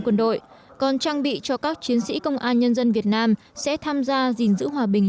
quân đội còn trang bị cho các chiến sĩ công an nhân dân việt nam sẽ tham gia gìn giữ hòa bình